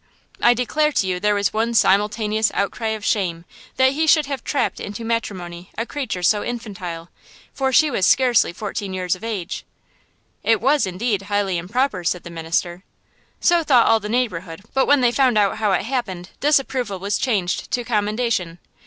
I declare to you there was one simultaneous outcry of shame, that he should have trapped into matrimony a creature so infantile, for she was scarcely fourteen years of age!" "It was indeed highly improper," said the minister. "So thought all the neighborhood; but when they found out how it happened, disapproval was changed to commendation.